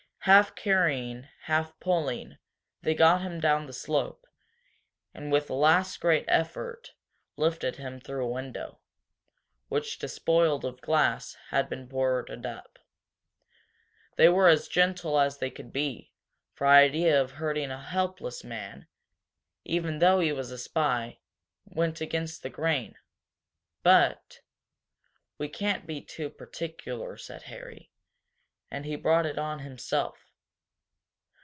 Half carrying, half pulling, they got him down the slope, and with a last great effort lifted him through a window, which, despoiled of glass, had been boarded up. They were as gentle as they could be, for the idea of hurting a helpless man, even though he was a spy, went against the grain. But "We can't be too particular," said Harry. "And he brought it on himself.